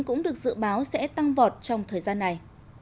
cũng được dự báo sẽ tăng vọt trong thời gian này